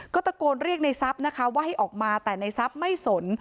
ก็ตะโกนเรียกนายซับนะคะว่าให้ออกมาแต่นายซับไม่สน